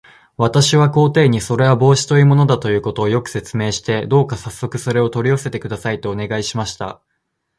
私は皇帝に、それは帽子というものだということを、よく説明して、どうかさっそくそれを取り寄せてください、とお願いしました。